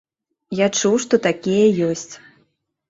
Я чуў, што такія ёсць.